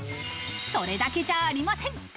それだけじゃありません。